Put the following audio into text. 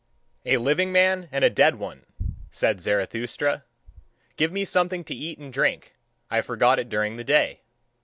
"A living man and a dead one," said Zarathustra. "Give me something to eat and drink, I forgot it during the day.